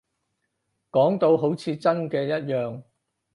講到好似真嘅一樣